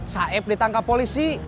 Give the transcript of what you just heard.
saeb ditangkap polisi